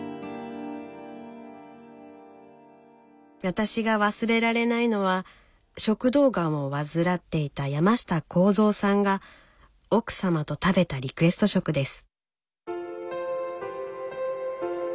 私が忘れられないのは食道がんを患っていた山下幸三さんが奥様と食べたリクエスト食です。